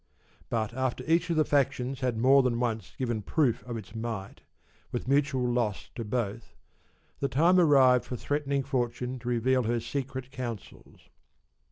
But after each of the factions had more than once given proof of its might, with mutual loss to both, the time arrived for threatening fortune to reveal her secret counsels.